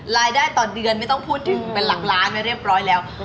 รายได้ต่อเดือนไม่ต้องพูดถึงเป็นหลักล้านไปเรียบร้อยแล้ว